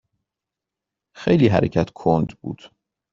خیلی حرکت کند بود.